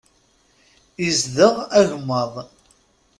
Izdeɣ agemmaḍ.